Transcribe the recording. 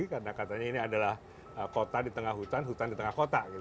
karena katanya ini adalah kota di tengah hutan hutan di tengah kota